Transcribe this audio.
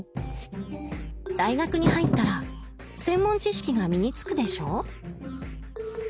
大学に入ったら専門知識が身につくでしょ。